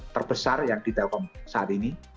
terbesar yang di telkom saat ini